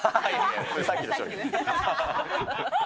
さっきの商品。